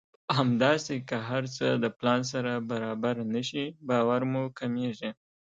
همداسې که هر څه د پلان سره برابر نه شي باور مو کمېږي.